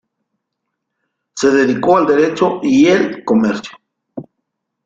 Se dedicó al derecho y el comercio.